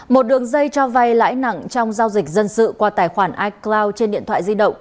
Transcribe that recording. một đường dây cho vay lãi nặng trong giao dịch dân sự qua tài khoản icloud trên điện thoại di động